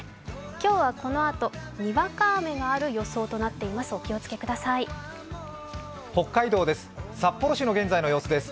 今日はこのあと、にわか雨がある予想となっています。